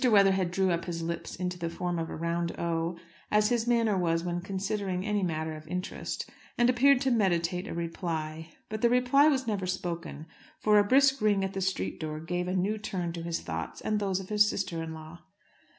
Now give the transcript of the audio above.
Weatherhead drew up his lips into the form of a round O, as his manner was when considering any matter of interest, and appeared to meditate a reply. But the reply was never spoken; for a brisk ring at the street door gave a new turn to his thoughts and those of his sister in law.